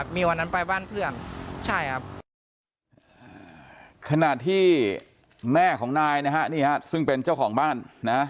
แม่ของนายนะครับซึ่งเป็นเจ้าของบ้านนะ